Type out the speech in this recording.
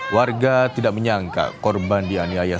warga tidak menyangka korban dianiaya